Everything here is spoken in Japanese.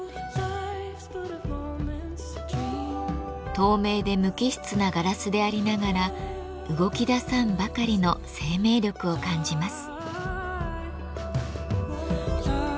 透明で無機質なガラスでありながら動きださんばかりの生命力を感じます。